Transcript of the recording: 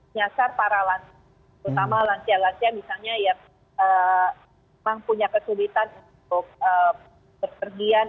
nyasar para lansia terutama lansia lansia misalnya yang memang punya kesulitan untuk berpergian